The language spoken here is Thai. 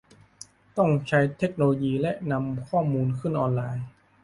ต้องใช้เทคโนโลยีและนำข้อมูลขึ้นออนไลน์